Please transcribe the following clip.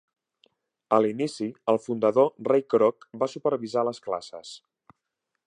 A l'inici, el fundador Ray Kroc va supervisar les classes.